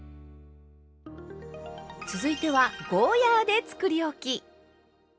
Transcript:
続いてはゴーヤーでつくりおき。